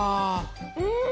うん！